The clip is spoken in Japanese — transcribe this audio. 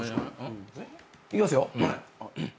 いきますよ。